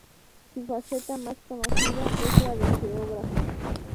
Su faceta más conocida es la de geógrafo.